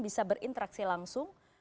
bisa berinteraksi langsung